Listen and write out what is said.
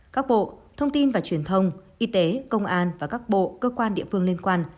các bộ thông tin và truyền thông y tế công an và các bộ cơ quan địa phương liên quan